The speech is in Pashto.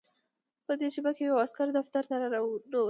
په دې شېبه کې یو عسکر دفتر ته راننوت